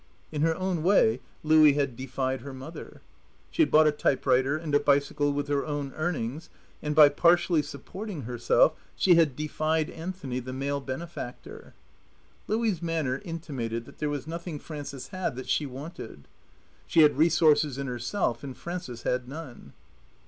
In her own way, Louie had defied her mother. She had bought a type writer and a bicycle with her own earnings, and by partially supporting herself she had defied Anthony, the male benefactor, Louie's manner intimated that there was nothing Frances had that she wanted. She had resources in herself, and Frances had none.